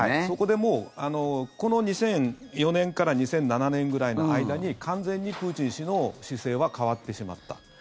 そこでもうこの２００４年から２００７年ぐらいの間に完全にプーチン氏の姿勢は変わってしまった。